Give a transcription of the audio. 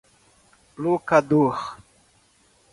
locador